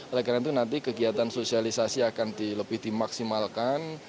oleh karena itu nanti kegiatan sosialisasi akan lebih dimaksimalkan